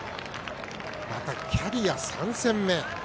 またキャリア３戦目。